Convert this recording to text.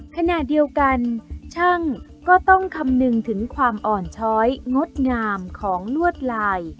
ขณะเดียวกันช่างก็ต้องคำนึงถึงความอ่อนช้อยงดงามของลวดลาย